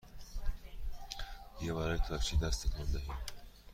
بیا برای تاکسی دست تکان دهیم!